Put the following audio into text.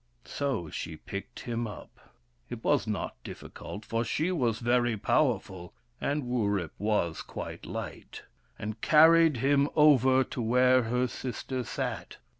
So she picked him up — it was not difficult, for she was very powerful, and Wurip was quite light — and carried him over to where her sister sat.